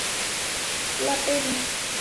La Penne